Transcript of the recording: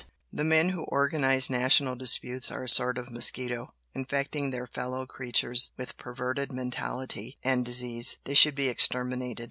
The men who organise national disputes are a sort of mosquito, infecting their fellow creatures with perverted mentality and disease, they should be exterminated."